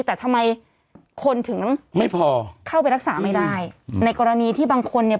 แต่ทำไมคนถึงไม่พอเข้าไปรักษาไม่ได้ในกรณีที่บางคนเนี่ย